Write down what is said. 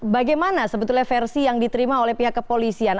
bagaimana sebetulnya versi yang diterima oleh pihak kepolisian